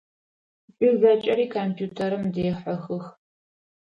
Джы зэкӏэри компьютерым дехьыхых.